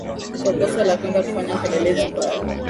kwa kosa la kwenda kufanya upelelezi pale